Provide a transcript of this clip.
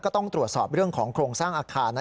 ต้องตรวจสอบเรื่องของโครงสร้างอาคารนะ